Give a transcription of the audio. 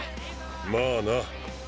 まあな。